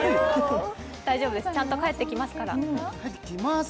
大丈夫です、ちゃんと返ってきますから。